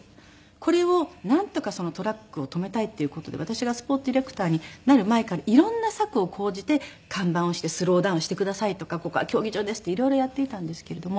これをなんとかトラックを止めたいっていう事で私がスポーツディレクターになる前から色んな策を講じて看板をして「スローダウンしてください」とか「ここは競技場です」って色々やっていたんですけれども。